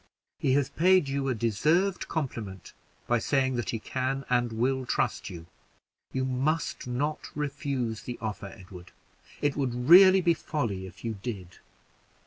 He has paid you a deserved compliment by saying that he can and will trust you. You must not refuse the offer, Edward it would really be folly if you did."